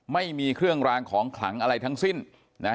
ไม่มีเครื่องรางของขลังอะไรทั้งสิ้นนะ